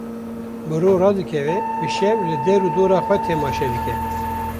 Bi ro radikeve bi şev li der û dora xwe temaşe dike.